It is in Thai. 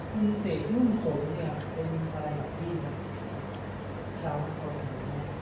คุณเสกรุ่นสนเนี่ยครับเป็นใครแบบนี้ครับชาวบ้านโปรชัวร์เนี่ย